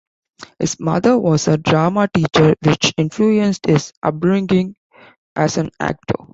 His mother was a drama teacher which influenced his upbringing as an actor.